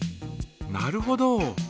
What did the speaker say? なるほど。